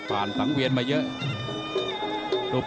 สูง๑๗๙เซนติเมตรครับ